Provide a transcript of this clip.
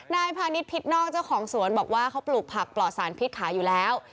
พาณิชยพิษนอกเจ้าของสวนบอกว่าเขาปลูกผักปลอดสารพิษขายอยู่แล้ว